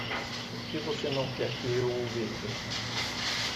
Por que você não quer que eu o veja?